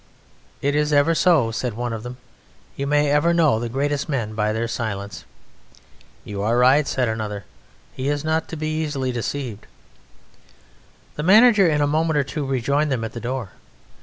"It is ever so," said one of them, "you may ever know the greatest men by their silence." "You are right," said another, "he is not one to be easily deceived." The manager in a moment or two rejoined them at the door.